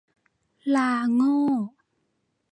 ลาโง่